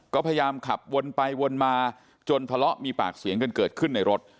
ก็พยายามขับวนไปวนมาจนทะเลาะมีปากเสียงกันเกิดขึ้นในรถ